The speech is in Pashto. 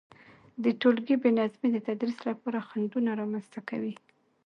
د تولګي بي نظمي د تدريس لپاره خنډونه رامنځته کوي،